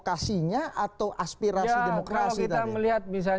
tapi kalau ada lihat masuk ke dalam konteks demokrasi ada banyak informasi informasi